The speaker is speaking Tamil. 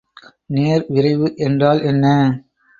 நேர்விரைவு என்றால் என்ன?